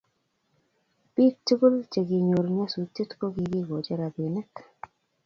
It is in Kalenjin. Pik tugul che kinyor nyasutet ko kikachin rapinik